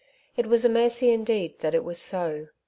It was a mercy indeed that it was so.